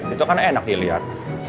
itu kan enak ya liat